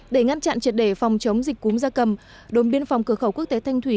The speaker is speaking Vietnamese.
để ngăn chặn triệt đề phòng chống dịch cúm gia cầm đồn biên phòng cửa khẩu quốc tế thanh thủy